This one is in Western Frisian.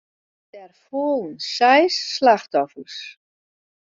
Der foelen seis slachtoffers.